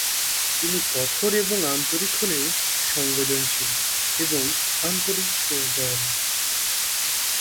তিনি কঠোর এবং আন্তরিক হলেও সংবেদনশীল এবং আন্তরিক ও দয়ালু।